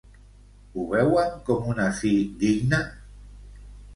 Ho veuen com una fi digna?